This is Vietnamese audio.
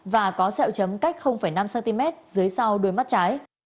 và có sẹo chấm cách năm cm dưới sau đôi mắt trái